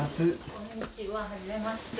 こんにちははじめまして。